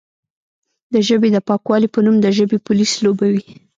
د ژبې د پاکوالې په نوم د ژبې پولیس لوبوي،